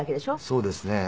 そうですね。